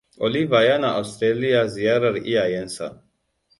Oliva yana Australiya ziyarar iyayensa.